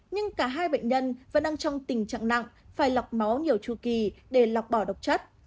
nhưng cả hai bệnh nhân vẫn đang trong tình trạng nặng phải lọc máu nhiều chu kỳ để lọc bỏ độc chất